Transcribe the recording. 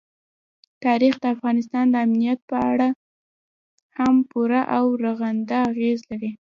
تاریخ د افغانستان د امنیت په اړه هم پوره او رغنده اغېز لري.